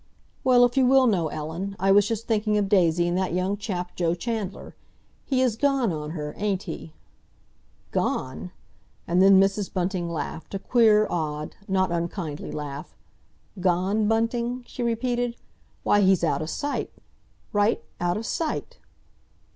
"Well, if you will know, Ellen, I was just thinking of Daisy and that young chap Joe Chandler. He is gone on her, ain't he?" "Gone?" And then Mrs. Bunting laughed, a queer, odd, not unkindly laugh. "Gone, Bunting?" she repeated. "Why, he's out o' sight—right, out of sight!"